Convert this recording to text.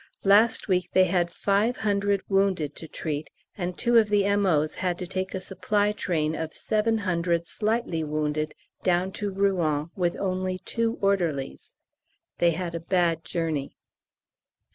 Last week they had five hundred wounded to treat, and two of the M.O.'s had to take a supply train of seven hundred slightly wounded down to Rouen with only two orderlies. They had a bad journey.